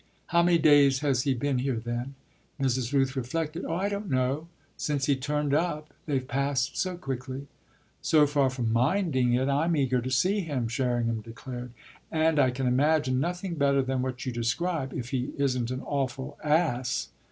"How many days has he been here then?" Mrs. Rooth reflected. "Oh I don't know! Since he turned up they've passed so quickly." "So far from 'minding' it I'm eager to see him," Sherringham declared; "and I can imagine nothing better than what you describe if he isn't an awful ass."